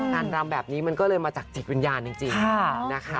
รำแบบนี้มันก็เลยมาจากจิตวิญญาณจริงนะคะ